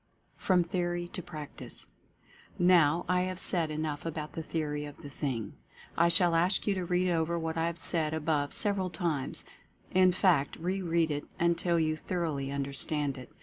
FROM THEORY TO PRACTICE. Now I have said enough about the theory of the thing. I shall ask you to read over what I have said above several times — in fact re read it until you thor oughly understand.it.